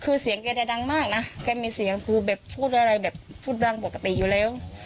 คือเสียงแกจะดังมากนะแกมีเสียงคือแบบพูดอะไรแบบพูดดังปกติอยู่แล้ว